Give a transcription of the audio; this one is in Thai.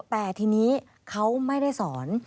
แต่ทีนี้เขาไม่ได้สอน